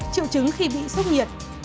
triệu chứng khi bị sốc nhiệt